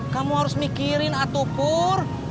kamu harus mikirin atupur